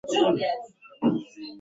maziwa kikombe kimoja